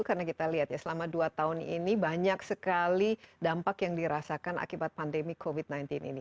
karena kita lihat ya selama dua tahun ini banyak sekali dampak yang dirasakan akibat pandemi covid sembilan belas ini